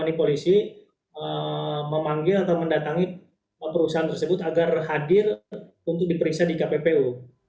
ini polisi memanggil atau mendatangi perusahaan tersebut agar hadir untuk diperiksa di kppu